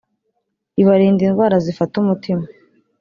ibarinda indwara zifata umutima